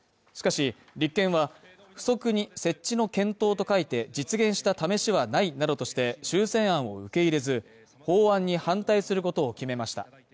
しかし、立憲は附則に設置の検討と書いて実現したためしはないなどとして、修正案を受け入れず、法案に反対することを決めました。